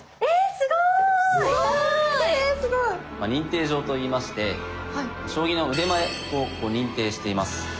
すごい！認定状といいまして将棋の腕前を認定しています。